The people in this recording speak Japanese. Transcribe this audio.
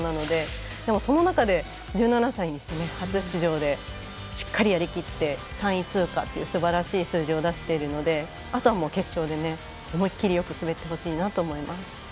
でも、その中で１７歳にして初出場でしっかりやりきって３位通過というすばらしい数字を出しているのであとは決勝で思い切りよく滑ってほしいと思います。